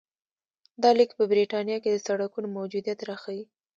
دا لیک په برېټانیا کې د سړکونو موجودیت راښيي